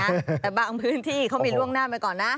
แต่บางพื้นที่เขามีล่วงหน้าไปก่อนนะ